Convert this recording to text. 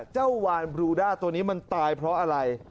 เจ้าวานบรูด้าตัวนี้มันตายเพราะอะไร